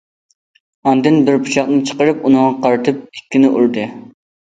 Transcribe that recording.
ئاندىن بىر پىچاقنى چىقىرىپ ئۇنىڭغا قارىتىپ ئىككىنى ئۇردى.